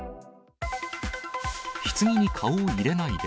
ひつぎに顔を入れないで。